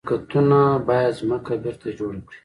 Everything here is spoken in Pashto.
شرکتونه باید ځمکه بیرته جوړه کړي.